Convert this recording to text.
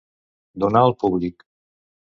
Donar al públic.